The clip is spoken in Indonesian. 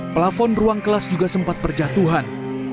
pelafon ruang kelas juga sempat berjatuhan